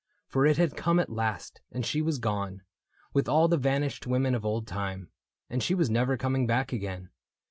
For it had come at last, and she was gone With all the vanished women of old time, — And she was never coming back again.